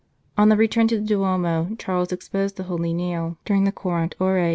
On the return to the Duomo, Charles exposed the Holy Nail during the Quarant Ore.